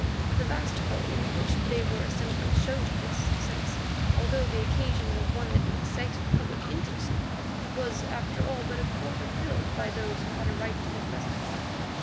The vast hall in which they were assembled showed this, since, although the occasion was one that excited public interest, it was after all but a quarter filled by those who had a right to be present.